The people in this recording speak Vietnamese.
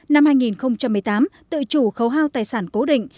năm hai nghìn một mươi tám tự chủ khấu hao tài sản cố định